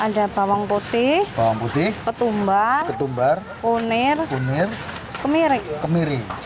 ada bawang putih ketumbar kunir kemiri cair